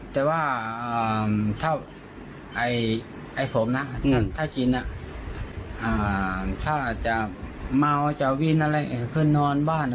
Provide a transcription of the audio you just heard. แต่ว่าคราวไอ้ผมนะถ้ากินน่ะอาหารค่าจะเมาหรือจะวินอะไรคือนอนบ้านก็โป๊ด